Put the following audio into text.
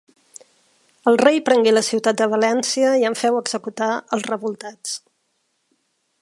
El rei prengué la ciutat de València i en feu executar els revoltats.